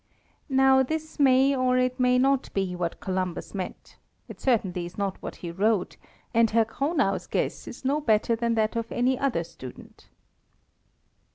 Now this may, or it may not be what Columbus meant; it certainly is not what he wrote, and Herr Cronau's guess is no better than that of any other student.